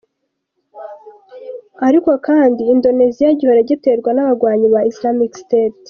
Ariko kandi, Indonesia gihora giterwa n’abagwanyi ba Islamic State.